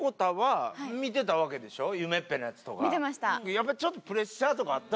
やっぱりちょっとプレッシャーとかあったでしょ？